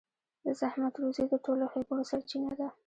د زحمت روزي د ټولو ښېګڼو سرچينه ده.